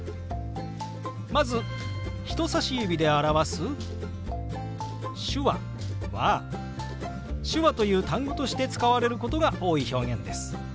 まず人さし指で表す「手話」は「手話」という単語として使われることが多い表現です。